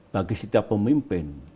bagi setiap pemimpin